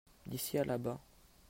D'ici à là-bas.